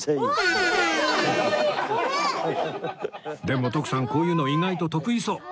でも徳さんこういうの意外と得意そう